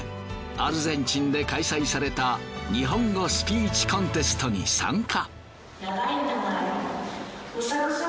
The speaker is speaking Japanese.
アルゼンチンで開催された日本語スピーチコンテストに参加。